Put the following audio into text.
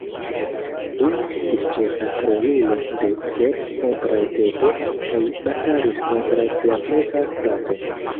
Li estis ĉefa rolulo de "Sep kontraŭ Tebo" kaj batalis kontraŭ sia propra frato.